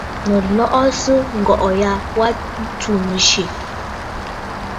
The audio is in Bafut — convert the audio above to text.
Nɨ̀ lɔꞌɔsə ŋgɔ̀ꞌɔ̀ ya wa ntsù nɨ̀syɛ̀!